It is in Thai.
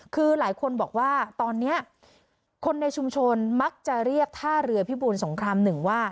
คือหลายคนบอกว่าตอนนี้คนในชุมชนมักจะเรียกท่าเรือพิบูลสงครามหนึ่งว่า